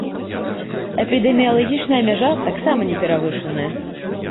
Эпідэміялагічная мяжа таксама не перавышаная.